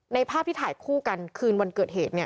ภาพที่ถ่ายคู่กันคืนวันเกิดเหตุ